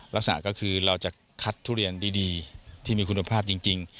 ลักษณะก็คือเราจะคัดทุเรียนดีที่มีคุณภาพจริง